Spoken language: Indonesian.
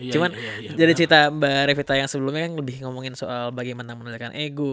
cuma dari cerita mbak revita yang sebelumnya kan lebih ngomongin soal bagaimana menularkan ego